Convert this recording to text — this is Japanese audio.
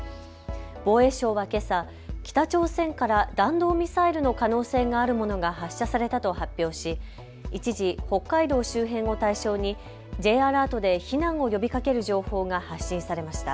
防衛省はけさ、北朝鮮から弾道ミサイルの可能性があるものが発射されたと発表し一時、北海道周辺を対象にＪアラートで避難を呼びかける情報が発信されました。